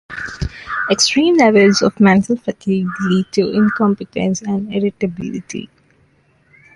Extreme levels of mental fatigue lead to incompetence and irritability.